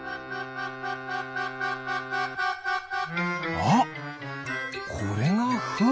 あっこれがフン！